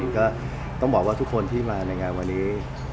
ก็ต้องบอกว่าทุกคนที่มาในงานวันนี้